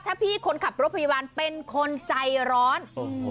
ถ้าพี่คนขับรถพยาบาลเป็นคนใจร้อน